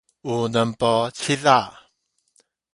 有兩步七仔